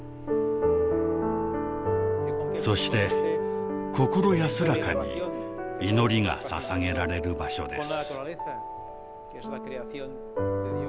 そして心安らかに祈りがささげられる場所です。